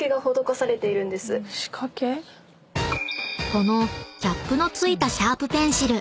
［このキャップの付いたシャープペンシル］